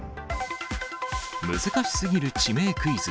難しすぎる地名クイズ。